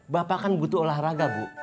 bapak kan butuh olahraga bu